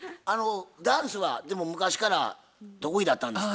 ダンスはでも昔から得意だったんですか？